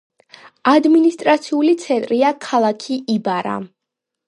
ადმინისტრაციული ცენტრია ქალაქი იბარა.